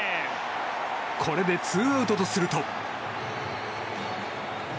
これでツーアウトとすると。